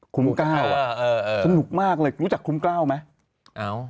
คุ้มก้าวเออเออเออสนุกมากเลยรู้จักคุ้มก้าวไหม